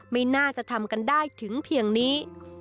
ไม่น่าจะทำกันได้ถึงเพียงนี้